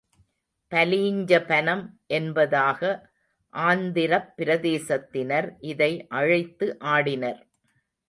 பலீஞ்சபனம் என்பதாக ஆந்திரப் பிரதேசத்தினர் இதை அழைத்து ஆடினர்.